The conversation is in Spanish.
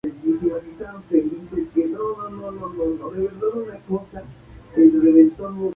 Este polígono tiene un eje helicoidal.